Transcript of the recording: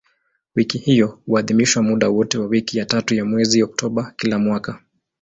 Wiki hiyo huadhimishwa muda wote wa wiki ya tatu ya mwezi Oktoba kila mwaka.